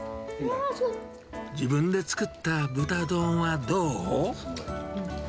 自分で作った豚丼はどう？